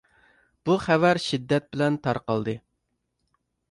بۇ خەۋەر شىددەت بىلەن تارقالدى،